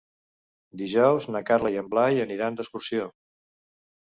Dijous na Carla i en Blai aniran d'excursió.